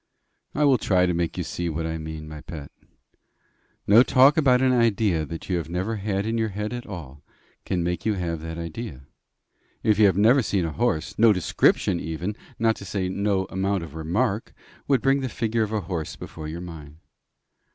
"I will try to make you see what I mean, my pet. No talk about an idea that you never had in your head at all, can make you have that idea. If you had never seen a horse, no description even, not to say no amount of remark, would bring the figure of a horse before your mind.